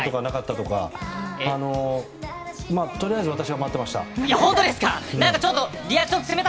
とりあえず私は待ってました。